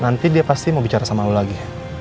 nanti dia pasti mau bicara sama allah lagi